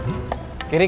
ada yang marah